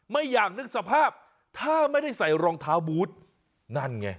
ไม่อยากนึกสภาพถ้าไม่ได้ใส่รองเท้าบูธนั่นไง